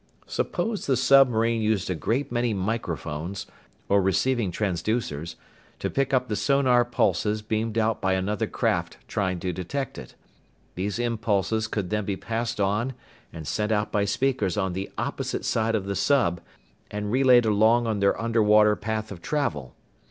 Suppose the submarine used a great many "microphones" or receiving transducers to pick up the sonar pulses beamed out by another craft trying to detect it? These impulses could then be passed on and sent out by speakers on the opposite side of the sub, and relayed along on their underwater path of travel.